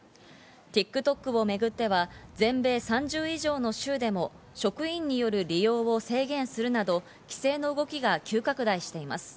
ＴｉｋＴｏｋをめぐっては全米３０以上の州でも職員による利用を制限するなど、規制の動きが急拡大しています。